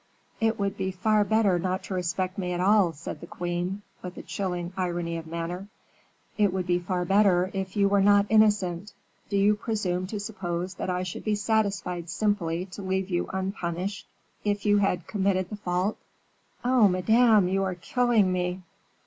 "It would be far better not to respect me at all," said the queen, with a chilling irony of manner. "It would be far better if you were not innocent. Do you presume to suppose that I should be satisfied simply to leave you unpunished if you had committed the fault?" "Oh, madame! you are killing me."